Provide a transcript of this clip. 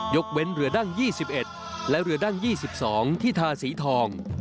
ยกเว้นเรือดั้งยี่สิบเอ็ดและเรือดั้งยี่สิบสองที่ทาสีทอง